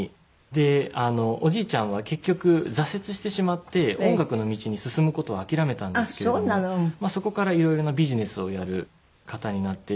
でおじいちゃんは結局挫折してしまって音楽の道に進む事を諦めたんですけれどもそこからいろいろなビジネスをやる方になって。